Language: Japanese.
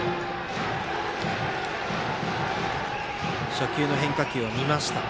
初球、変化球は見ました。